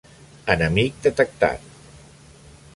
Enemic detectat!